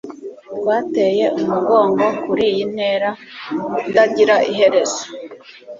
twateye umugongo kuriyi ntera itagira iherezo